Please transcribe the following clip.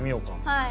はい。